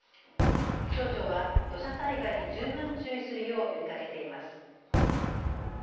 気象庁は土砂災害に十分注意するよう呼びかけています。